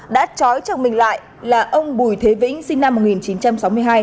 đã trói chồng mình lại là ông bùi thế vĩnh sinh năm một nghìn chín trăm sáu mươi hai